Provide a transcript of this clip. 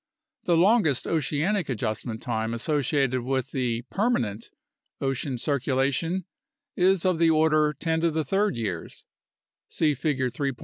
The longest oceanic adjustment time associated with the "permanent" ocean circulation is of the order 10 3 years (see Figure 3.